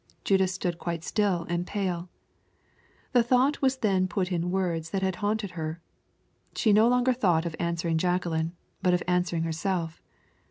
Judith stood quite still and pale. The thought was then put in words that had haunted her. She no longer thought of answering Jacqueline, but of answering herself.